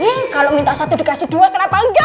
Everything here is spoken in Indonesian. ih kalo minta satu dikasih dua kenapa enggak